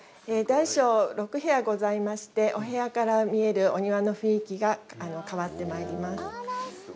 大小６部屋ございまして、お部屋から見えるお庭の雰囲気が変わってまいります。